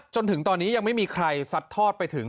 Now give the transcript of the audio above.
จนถึงตอนนี้ยังไม่มีใครซัดทอดไปถึง